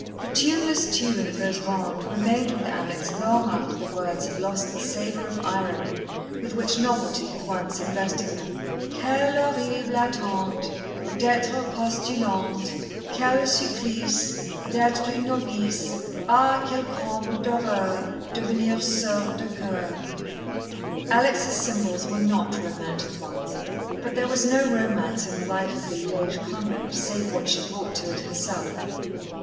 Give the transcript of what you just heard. The tuneless tune of those rondes remained with Alex long after the words had lost the savour of irony with which novelty had once invested them. "Quelle horrible attente D'être postulante.... Quel supplice D'être une novice Ah! quel comble d'horreur Devenir soeur de choeur...." Alex' symbols were not romantic ones, but there was no romance in the life of the Liège convent, save what she brought to it herself.